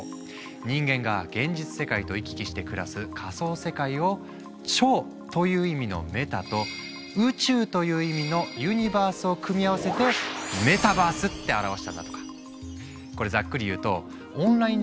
人間が現実世界と行き来して暮らす仮想世界を「超」という意味のメタと「宇宙」という意味のユニバースを組み合わせてメタバースって表したんだとか。